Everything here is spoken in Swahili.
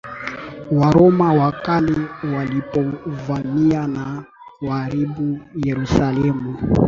Waroma wa Kale walipovamia na kuharibu Yerusalemu